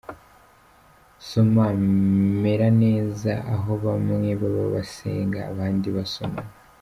Soma:Meraneza, aho bamwe baba basenga abandi basomana.